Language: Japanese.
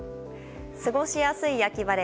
過ごしやすい秋晴れ